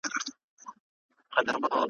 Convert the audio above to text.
هم پر کور هم یې پر کلي شرمولې `